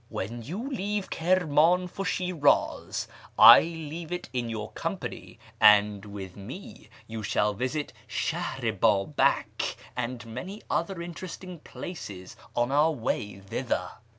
When you leave Kirman for Shiraz, I leave it in your company, and with me you shall visit Shahr i Babak and many other interesting places on our way thither."